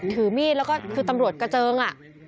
ถือมีดแล้วก็คือตำรวจกระเจิง